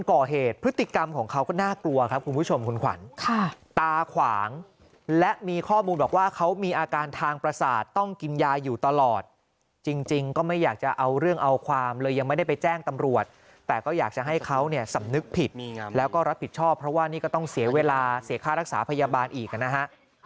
ก่อเหตุพฤติกรรมของเขาก็น่ากลัวครับคุณผู้ชมคุณขวัญค่ะตาขวางและมีข้อมูลบอกว่าเขามีอาการทางประสาทต้องกินยาอยู่ตลอดจริงก็ไม่อยากจะเอาเรื่องเอาความเลยยังไม่ได้ไปแจ้งตำรวจแต่ก็อยากจะให้เขาเนี่ยสำนึกผิดแล้วก็รับผิดชอบเพราะว่านี่ก็ต้องเสียเวลาเสียค่ารักษาพยาบาลอีกนะฮะ